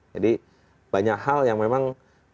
jadi banyak hal yang memang